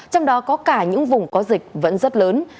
trong đó có cả những vùng có dịch vẫn rất lớn